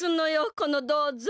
このどうぞう。